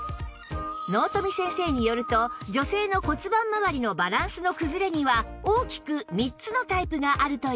納富先生によると女性の骨盤まわりのバランスの崩れには大きく３つのタイプがあるといいます